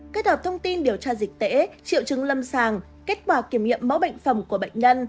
kết hợp thông tin điều tra dịch tễ triệu chứng lâm sàng kết quả kiểm nghiệm mẫu bệnh phẩm của bệnh nhân